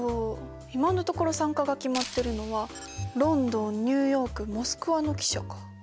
今のところ参加が決まってるのはロンドンニューヨークモスクワの記者か。